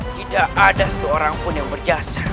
tidak ada satu orang pun yang berjasa